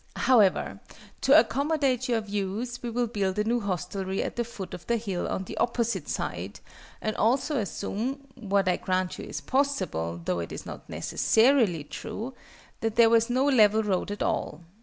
However, to accommodate your views we will build a new hostelry at the foot of the hill on the opposite side, and also assume (what I grant you is possible, though it is not necessarily true) that there was no level road at all.